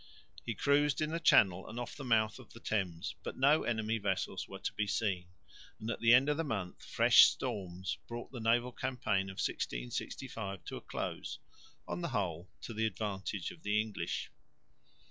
He cruised in the Channel and off the mouth of the Thames, but no enemy vessels were to be seen; and at the end of the month fresh storms brought the naval campaign of 1665 to a close, on the whole to the advantage of the English.